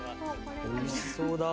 おいしそうだ。